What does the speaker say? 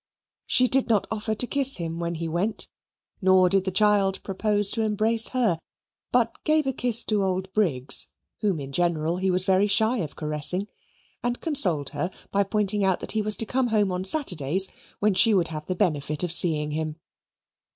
She did not offer to kiss him when he went, nor did the child propose to embrace her; but gave a kiss to old Briggs (whom, in general, he was very shy of caressing), and consoled her by pointing out that he was to come home on Saturdays, when she would have the benefit of seeing him.